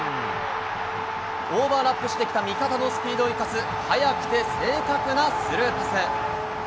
オーバーラップしてきた味方のスピードを生かす、速くて正確なスルーパス。